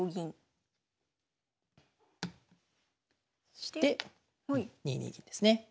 そして２二銀ですね。